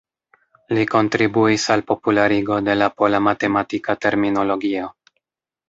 Li kontribuis al popularigo de la pola matematika terminologio.